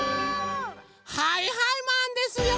はいはいマンですよ！